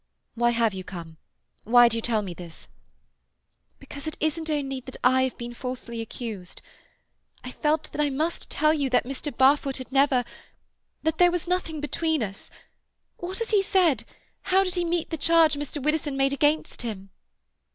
"Why have you come? Why do you tell me this?" "Because it isn't only that I have been falsely accused. I felt I must tell you that Mr. Barfoot had never—that there was nothing between us. What has he said? How did he meet the charge Mr. Widdowson made against him?"